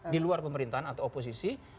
di luar pemerintahan atau oposisi